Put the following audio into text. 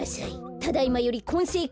ただいまよりこんせいき